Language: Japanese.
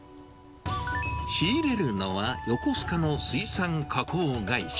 仕入れるのは、横須賀の水産加工会社。